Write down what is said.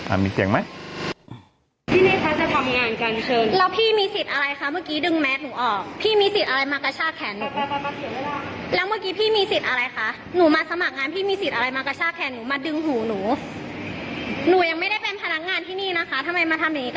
มีเสียงไหม